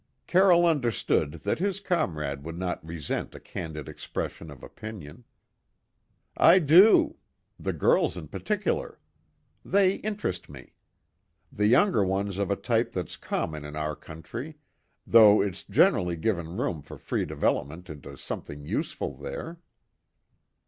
Carroll understood that his comrade would not resent a candid expression of opinion. "I do; the girls in particular. They interest me. The younger one's of a type that's common in our country, though it's generally given room for free development into something useful there.